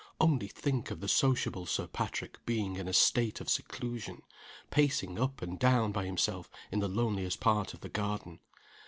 Only think of the sociable Sir Patrick being in a state of seclusion pacing up and down by himself in the loneliest part of the garden.